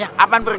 ya allah ya rob